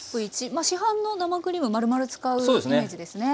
市販の生クリームまるまる使うイメージですね。